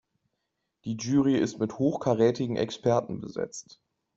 Die Jury ist mit hochkarätigen Experten besetzt.